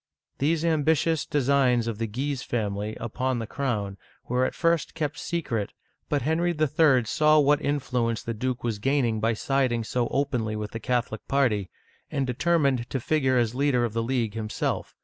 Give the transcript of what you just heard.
These ambitious designs of the Guise family upon the Digitized by Google HENRY III. (15 74 1589) 271 crow*n were at first kept secret, but Henry III. saw what influence the duke was gaining by siding so openly with the Catholic party, and determined to figure as leader of the League himself.